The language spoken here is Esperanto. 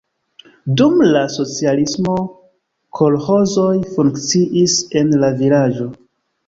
Dum la socialismo kolĥozoj funkciis en la vilaĝo.